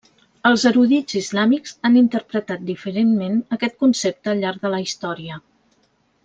Els erudits islàmics han interpretat diferentment aquest concepte al llarg de la història.